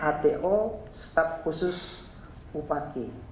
ato staf khusus bupati